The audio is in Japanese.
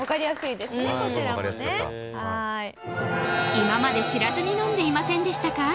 今まで知らずに飲んでいませんでしたか？